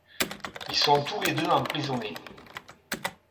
Ils sont tous les deux emprisonnés.